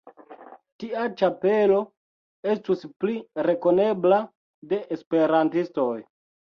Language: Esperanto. Tia ĉapelo estus pli rekonebla de Esperantistoj.